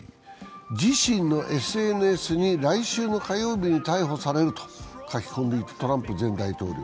自身のＳＮＳに来週の火曜日に逮捕されると書き込んでいたトランプ前大統領。